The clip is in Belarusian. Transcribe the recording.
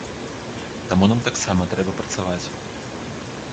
Таму нам таксама трэба працаваць.